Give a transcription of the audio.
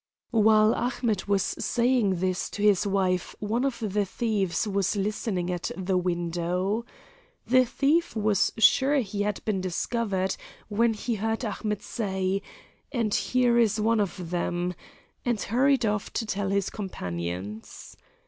While Ahmet was saying this to his wife one of the thieves was listening at the window. The thief was sure he had been discovered when he heard Ahmet say, "And here is one of them," and hurried off to tell his companions.